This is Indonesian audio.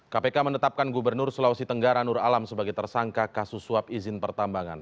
kpk menetapkan gubernur sulawesi tenggara nur alam sebagai tersangka kasus suap izin pertambangan